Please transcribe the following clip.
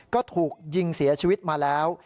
ก็ถูกยิงเสียชีวิตมาแล้ว